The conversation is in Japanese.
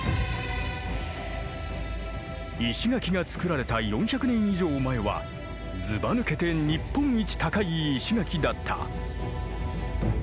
石垣が造られた４００年以上前はずばぬけて日本一高い石垣だった。